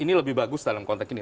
ini lebih bagus dalam konteks ini